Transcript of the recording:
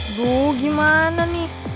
aduh gimana nih